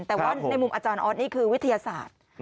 แต่ว่าในมุมอาจารย์ออสนี่คือวิทยาศาสตร์